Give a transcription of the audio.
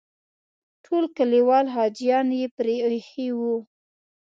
ټول کلیوال حاجیان یې پرې ایښي وو.